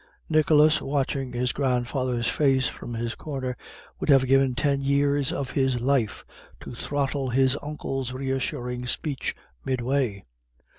Nicholas, watching his grandfather's face from his corner, would have given ten years of his life to throttle his uncle's reassuring speech midway.